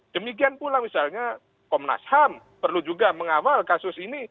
demikian pula misalnya komnas ham perlu juga mengawal kasus ini